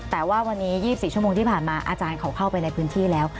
แต่ว่าวันนี้๒๔ชั่วโมงที่ผ่านมาอาจารย์เขาเข้าไปในพื้นที่แล้ว